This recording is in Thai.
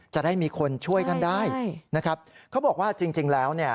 จะได้มีคนช่วยกันได้นะครับเขาบอกว่าจริงแล้วเนี่ย